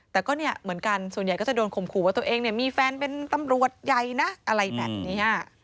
แต่ก็เนี่ยเหมือนกันส่วนใหญ่ก็จะโดนข่มขู่ว่าตัวเองเนี่ยมีแฟนเป็นตำรวจใหญ่นะอะไรแบบนี้